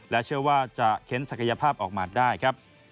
เชื่อว่าจะเค้นศักยภาพออกมาได้ครับ